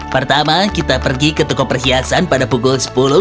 pertama kita pergi ke toko perhiasan pada pukul sepuluh